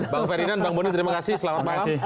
bang ferdinand bang boni terima kasih selamat malam